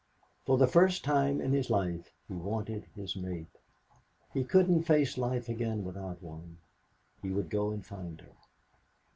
For the first time in his life he wanted his mate. He couldn't face life again without one. He would go and find her.